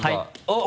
あっ。